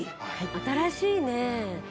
新しいね。